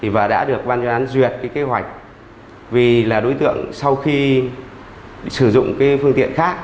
và đã được ban chuyên án duyệt kế hoạch vì là đối tượng sau khi sử dụng phương tiện khác